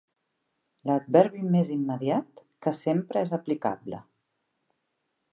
L'adverbi més immediat, que sempre és aplicable.